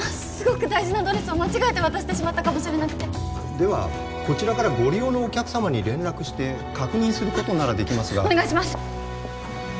すごく大事なドレスを間違えて渡してしまったかもしれなくてではこちらからご利用のお客様に連絡して確認することならできますがお願いします